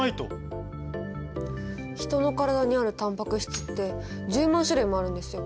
ヒトの体にあるタンパク質って１０万種類もあるんですよ。